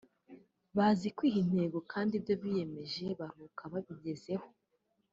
bazi kwiha intego kandi ibyo biyemje baruhuka babigezeho